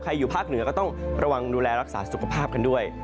อยู่ภาคเหนือก็ต้องระวังดูแลรักษาสุขภาพกันด้วย